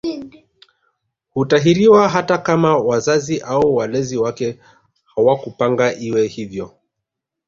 Hutahiriwa hata kama wazazi au walezi wake hawakupanga iwe hivyo